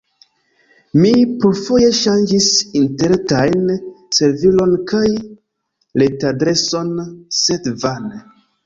Mi plurfoje ŝanĝis interretajn servilon kaj retadreson, sed vane.